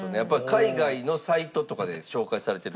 海外のサイトとかで紹介されてる。